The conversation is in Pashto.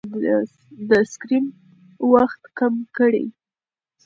د سکرین وخت کم کړئ.